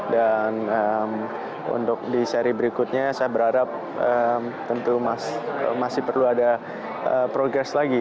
dan untuk di seri berikutnya saya berharap tentu masih perlu ada progres lagi